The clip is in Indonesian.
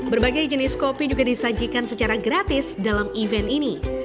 berbagai jenis kopi juga disajikan secara gratis dalam event ini